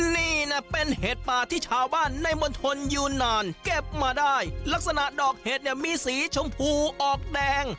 นี่นะเป็นเห็ดป่าที่ชาวบ้านในมณฑลยูนานเก็บมาได้ลักษณะดอกเห็ดเนี่ยมีสีชมพูออกแดง